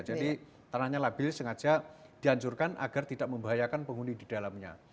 jadi tanahnya labil sengaja dihancurkan agar tidak membahayakan penghuni di dalamnya